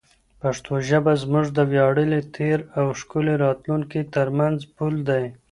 پښتو ژبه زموږ د ویاړلي تېر او ښکلي راتلونکي ترمنځ پل دی.